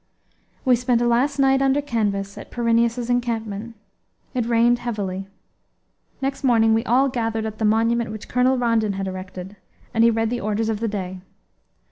We spent a last night under canvas, at Pyrineus' encampment. It rained heavily. Next morning we all gathered at the monument which Colonel Rondon had erected, and he read the orders of the day.